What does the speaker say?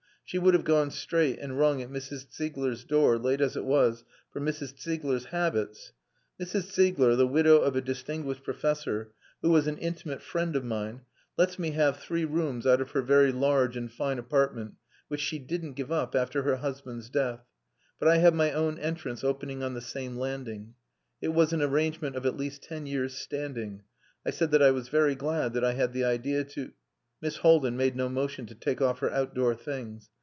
She would have gone straight and rung at Mrs. Ziegler's door, late as it was, for Mrs. Ziegler's habits.... Mrs. Ziegler, the widow of a distinguished professor who was an intimate friend of mine, lets me have three rooms out of her very large and fine apartment, which she didn't give up after her husband's death; but I have my own entrance opening on the same landing. It was an arrangement of at least ten years' standing. I said that I was very glad that I had the idea to.... Miss Haldin made no motion to take off her outdoor things.